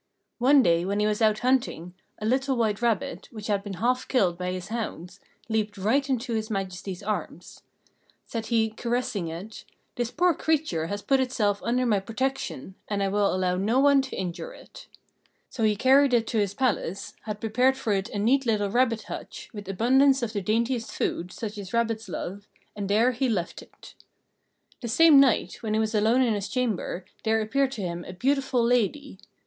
One day when he was out hunting, a little white rabbit, which had been half killed by his hounds, leaped right into His Majesty's arms. Said he, caressing it, "This poor creature has put itself under my protection, and I will allow no one to injure it." So he carried it to his palace, had prepared for it a neat little rabbit hutch, with abundance of the daintiest food, such as rabbits love, and there he left it. The same night, when he was alone in his chamber, there appeared to him a beautiful lady.